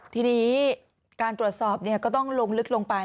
ทีนี้การตรวจสอบก็ต้องลงลึกลงไป